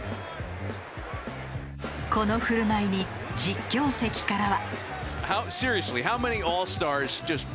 この振る舞いに実況席からは。